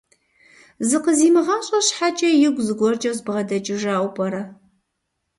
Зыкъызимыгъащӏэ щхьэкӏэ, игу зыгуэркӏэ збгъэдэкӏыжауэ пӏэрэ?